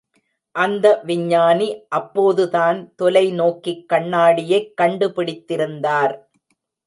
அந்த விஞ்ஞானி அப்போதுதான் தொலை நோக்கிக் கண்ணாடியைக் கண்டு பிடித்திருந்தார்!